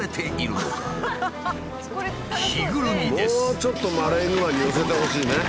もうちょっとマレーグマに寄せてほしいね。